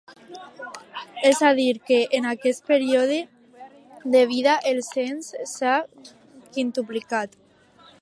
És a dir que, en aquest període de vida, el Cens s'ha quintuplicat.